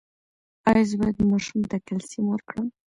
ایا زه باید ماشوم ته کلسیم ورکړم؟